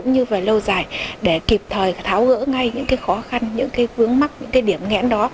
cũng như về lâu dài để kịp thời tháo gỡ ngay những khó khăn những vướng mắt những điểm nghẽn đó